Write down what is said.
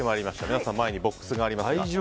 皆さん、前にボックスがあります。